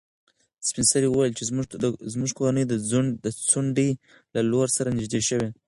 سپین سرې وویل چې زموږ کورنۍ د ځونډي له لور سره نږدې شوه.